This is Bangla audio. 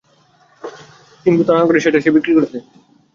কিন্তু তা না করে, সে সেটা বিক্রি করে দেয়।